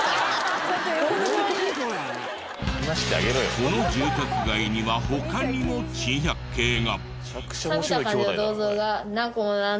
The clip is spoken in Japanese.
この住宅街には他にも珍百景が！